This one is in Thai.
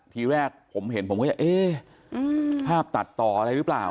ทีแรกผมเห็นผมก็จะเอ๊ะภาพตัดต่ออะไรหรือเปล่า